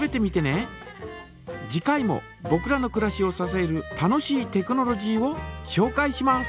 次回もぼくらのくらしをささえる楽しいテクノロジーをしょうかいします。